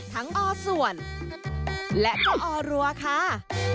อส่วนและก็ออรัวค่ะ